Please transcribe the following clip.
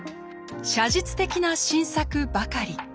写実的な新作ばかり。